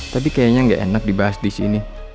tapi kayaknya gak enak dibahas disini